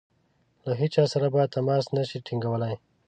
له هیچا سره به تماس نه شي ټینګولای.